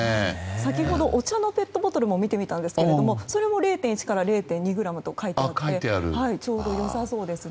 先ほどお茶のペットボトルを見てみたんですがそれも０．１から０．２ｇと書いてあってちょうど良さそうですね。